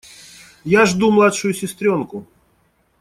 Я жду младшую сестренку.